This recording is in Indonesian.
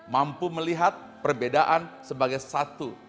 mampu melihat perbedaan sebagai satu